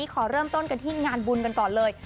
ขอเริ่มต้นกันที่งานบุญกันก่อนเลย